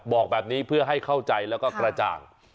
บอกแบบนี้เพื่อให้เข้าใจแล้วก็กระจ่าง